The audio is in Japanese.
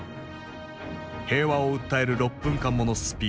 平和を訴える６分間ものスピーチ。